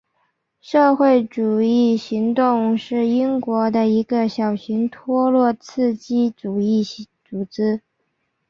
社会主义行动是英国的一个小型托洛茨基主义组织。